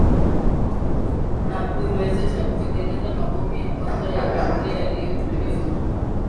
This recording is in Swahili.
na kuiwezesha kutengeneza mabomu ya kwanza ya nyuklia yaliyotumiwa